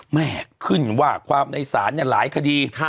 แม่ขึ้นว่าความในศาลหลายคดี